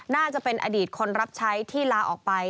น่าจะเป็นอดีตคนรับใช้ที่ลาออกไป